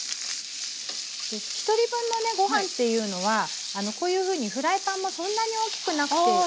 １人分のごはんっていうのはこういうふうにフライパンもそんなに大きくなくていいですし。